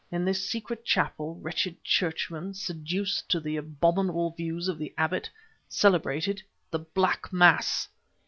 In this secret chapel, wretched Churchmen, seduced to the abominable views of the abbot, celebrated the Black Mass!"